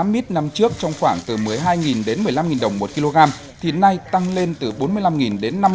mít năm trước trong khoảng từ một mươi hai đến một mươi năm đồng một kg thì nay tăng lên từ bốn mươi năm đến năm mươi đồng